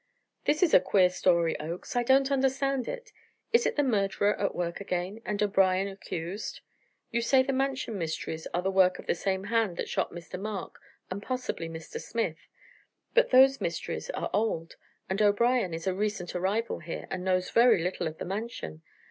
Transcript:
"This is a queer story, Oakes; I don't understand it. Is it the murderer at work again and O'Brien accused? You say the Mansion mysteries are the work of the same hand that shot Mr. Mark, and possibly Mr. Smith. But those mysteries are old, and O'Brien is a recent arrival here and knows very little of the Mansion.